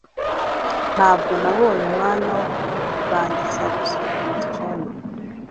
Ntabwo nabonye umwanya wo kurangiza gusukura icyumba